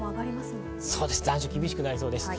残暑が厳しくなりそうです。